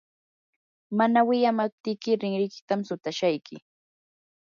mana wiyamaptiyki rinrikitam sutashayki.